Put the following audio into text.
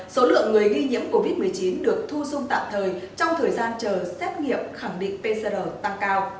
số lượng người nghi nhiễm covid một mươi chín được thu dung tạm thời trong thời gian chờ xét nghiệm khẳng định pcr tăng cao